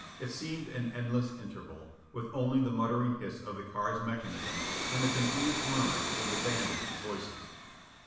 It seemed an endless interval, with only the muttering hiss of the car's mechanism and the confused murmurs of the bandits' voices.